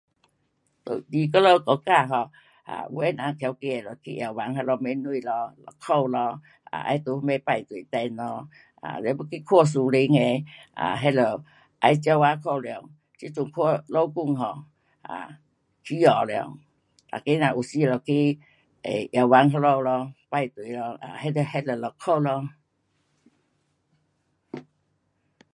在我们国家 um，有的人贫穷就去药房那里免钱咯，一块咯，um 要在哪边排队等咯，了要去看私人的，um 那就要几百块了，这阵看医生 um 啊起价了，每个人有时就去药房哪里咯排队咯，那就，那就一块咯。